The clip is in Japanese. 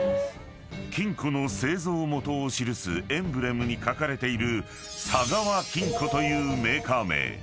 ［金庫の製造元を記すエンブレムに書かれているサガワ金庫というメーカー名］